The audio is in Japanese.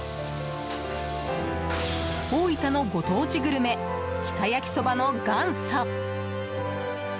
大分のご当地グルメ日田焼きそばの元祖